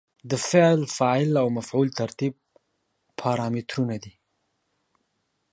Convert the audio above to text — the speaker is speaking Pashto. د فعل، فاعل او مفعول ترتیب پارامترونه دي.